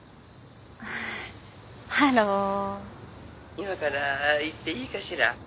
今から行っていいかしら？